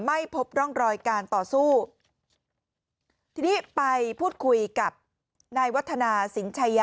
ไม่พบร่องรอยการต่อสู้ทีนี้ไปพูดคุยกับนายวัฒนาสินชัยะ